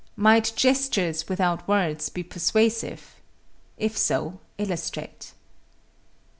Might gestures without words be persuasive? If so, illustrate.